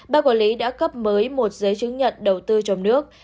ba quản lý đã cấp mới một giấy chứng nhận đầu tư trong nước